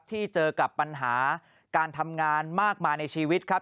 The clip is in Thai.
ที่เจอกับปัญหาการทำงานมากมายในชีวิตครับ